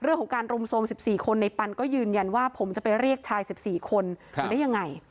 เรื่องของการรุมโทรม๑๔คนในปันก็ยืนยันว่าผมจะไปเรียกชาย๑๔คนมาได้ยังไง